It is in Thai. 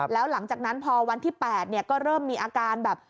แล้วหลังจากนั้นพอวันที่๘ก็เริ่มมีอาการแบบ